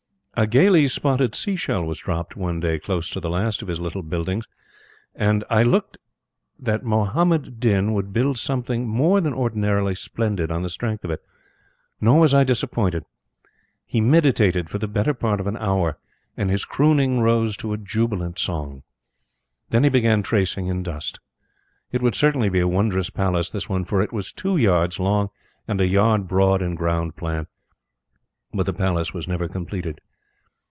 A gayly spotted sea shell was dropped one day close to the last of his little buildings; and I looked that Muhammad Din should build something more than ordinarily splendid on the strength of it. Nor was I disappointed. He meditated for the better part of an hour, and his crooning rose to a jubilant song. Then he began tracing in dust. It would certainly be a wondrous palace, this one, for it was two yards long and a yard broad in ground plan. But the palace was never completed.